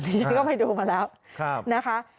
ฉันก็ไปดูมาแล้วนะคะ